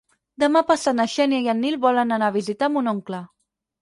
Demà passat na Xènia i en Nil volen anar a visitar mon oncle.